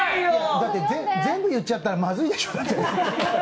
だって全部言っちゃったらまずいでしょ。